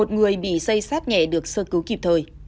một mươi một người bị dây sát nhẹ được sơ cứu kịp thời